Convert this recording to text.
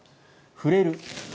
触れる。